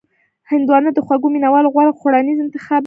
هندوانه د خوږو مینوالو غوره خوړنیز انتخاب دی.